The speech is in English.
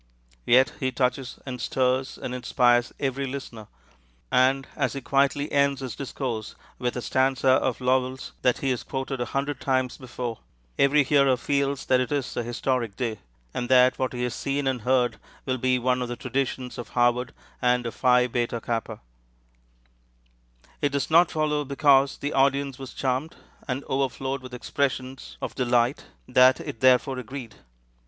Yet he touches and stirs and inspires every listener; and as he quietly ends his discourse with a stanza of Lowell's that he has quoted a hundred times before, every hearer feels that it is a historic day, and that what he has seen and heard will be one of the traditions of Harvard and of Phi Beta Kappa. It does not follow, because the audience was charmed, and overflowed with expressions of delight, that it therefore agreed.